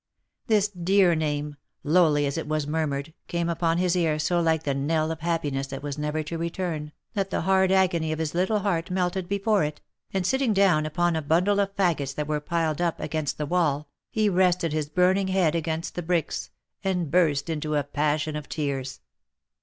This dear name, lowly as it was murmured, came upon his ear so like the knell of happiness that was never to return, that the hard agony of his little heart melted before it, and sitting down upon a bundle of fagots that were piled up against the wall, he rested his burning head against the bricks, and burst into a passion of tears.